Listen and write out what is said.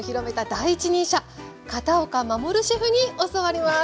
第一人者片岡護シェフに教わります。